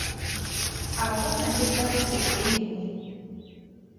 A go na le karabo e nngwe?